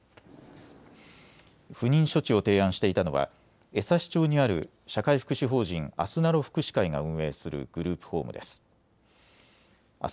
不妊処置を提案していたのは江差町にある社会福祉法人あすなろ福祉会が運営するグループホームです。